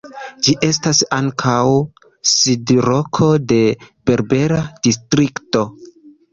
Ĝi estas ankaŭ sidloko de "Berbera Distrikto".